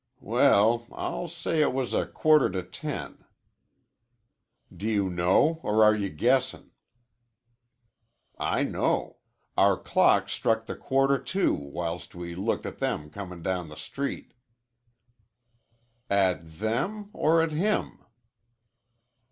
"Well, I'll say it was a quarter to ten." "Do you know or are you guessin'?" "I know. Our clock struck the quarter to whilst we looked at them comin' down the street." "At them or at him?"